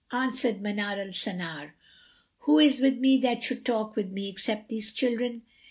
Answered Manar al Sanar, "Who is with me that should talk with me, except these children?"